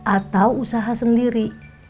atau usaha sendiri